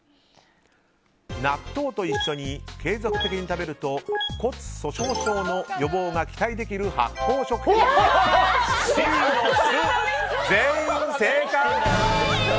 納豆と一緒に継続的に食べると骨粗しょう症の予防が期待できる発酵食品はＣの酢、全員正解！